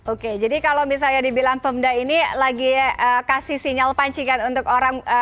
oke jadi kalau misalnya dibilang pemda ini lagi kasih sinyal pancingan untuk orang